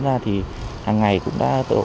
một mươi bốn ra thì hàng ngày cũng đã